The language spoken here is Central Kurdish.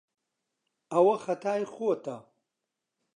ئەوە خەتای خۆتە.